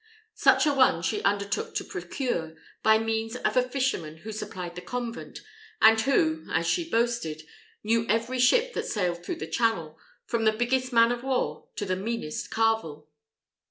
Such a one she undertook to procure, by means of a fisherman who supplied the convent, and who, as she boasted, knew every ship that sailed through the Channel, from the biggest man of war to the meanest carvel.